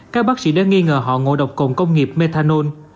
các bác sĩ đã nghi ngờ họ ngộ độc cồn công nghiệp methanol